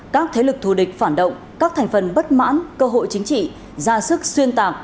các thế lực thù địch phản động các thành phần bất mãn cơ hội chính trị ra sức xuyên tạc